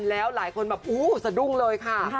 แล้วหลายคนแบบอู้สะดุ้งเลยค่ะ